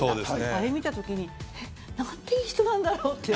あれを見たときになんていい人なんだろうと。